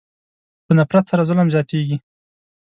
په نفرت سره ظلم زیاتېږي.